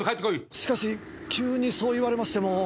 しかし急にそう言われましても。